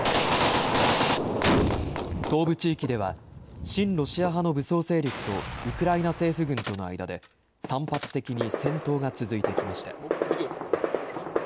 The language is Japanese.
東部地域では親ロシア派の武装勢力とウクライナ政府軍との間で散発的に戦闘が続いてきました。